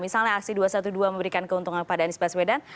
misalnya aksi dua ratus dua belas memberikan keuntungan kepada anies baswedan